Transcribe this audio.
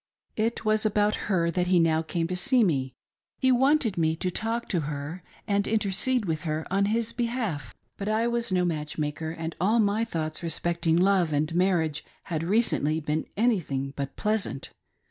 It was about her that he now came to see me ;— he wanted me to talk to her and intercede with her in hist behalf. But I was no niatchi? maker, and all my thoughts respecting love and marriage ha4 recently been anything but pleasant.